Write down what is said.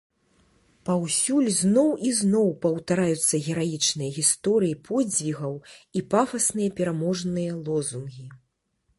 Паўсюль зноў і зноў паўтараюцца гераічныя гісторыі подзвігаў і пафасныя пераможныя лозунгі.